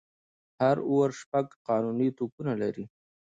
هر آور شپږ قانوني توپونه لري.